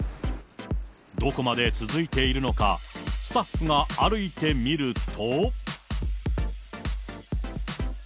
どこまで続いているのか、スタッフが歩いてみると。